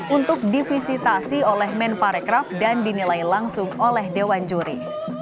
untuk divisitasi oleh men parekraf dan dinilai langsung oleh dewan juri